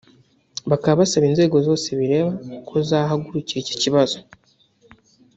bakaba basaba inzego zose bireba ko zahagurukira iki kibazo